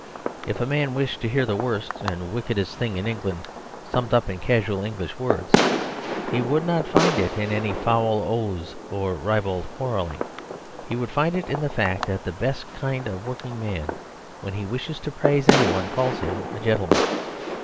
If a man wished to hear the worst and wickedest thing in England summed up in casual English words, he would not find it in any foul oaths or ribald quarrelling. He would find it in the fact that the best kind of working man, when he wishes to praise any one, calls him "a gentleman."